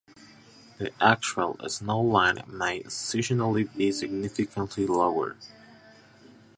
The actual snow line may seasonally be significantly lower.